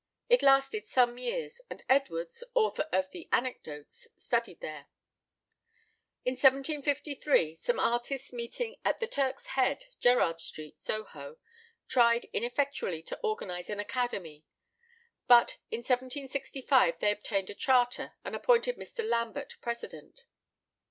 It lasted some years, and Edwards, author of the Anecdotes, studied there. In 1753 some artists meeting at the Turk's Head, Gerrard Street, Soho, tried ineffectually to organise an academy; but in 1765 they obtained a charter, and appointed Mr. Lambert president.